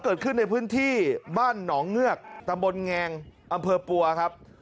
เกิดขึ้นในพื้นที่บ้านหนองเงือกตำบลแงงอำเภอปัวครับ